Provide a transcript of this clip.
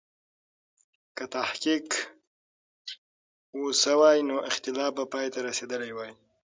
که تحقیق و سوای، نو اختلاف به پای ته رسېدلی وای.